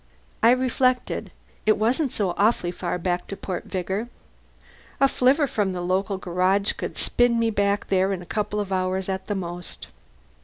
I reflected. It wasn't so awfully far back to Port Vigor. A flivver from the local garage could spin me back there in a couple of hours at the most.